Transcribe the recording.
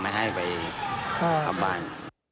ไม่ให้ไปกลับบ้าน